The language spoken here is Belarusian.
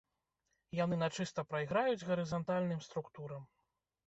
Яны начыста прайграюць гарызантальным структурам.